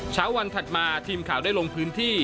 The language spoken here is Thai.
เช้าวันถัดมาทีมข่าวได้ลงพื้นที่